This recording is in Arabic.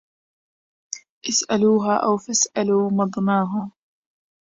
اسألوها أو فاسألوا مضناها